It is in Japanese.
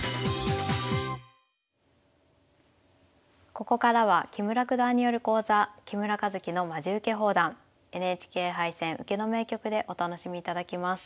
ここからは木村九段による講座「木村一基のまじウケ放談ＮＨＫ杯戦・受けの名局」でお楽しみいただきます。